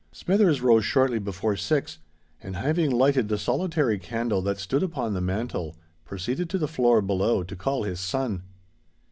Smithers rose shortly before six; and, having lighted the solitary candle that stood upon the mantel, proceeded to the floor below to call his son.